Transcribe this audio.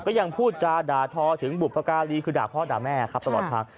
ยังพูดจาด่าทอถึงบุพการีคือด่าพ่อด่าแม่ครับตลอดทาง